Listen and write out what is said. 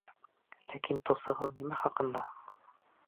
Ләкин тосығыҙ нимә хаҡында?